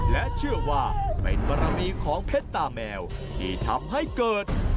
และเชื่อว่าเป็นบารมีของเพชรตาแมวที่ทำให้เกิด